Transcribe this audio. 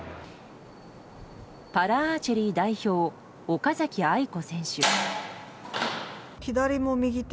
パラアーチェリー代表岡崎愛子選手。